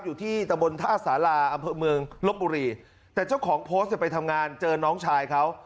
อยู่ที่ตะบนท่าสาราอำเภอเมืองลบบุรีแต่เจ้าของโพสต์เนี่ยไปทำงานเจอน้องชายเขา